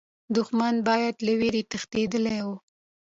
دښمن به له ویرې تښتېدلی وو.